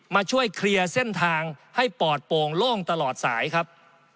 มาช่วยเคลียร์เส้นทางให้ปอดโป่งโล่งตลอดสายครับ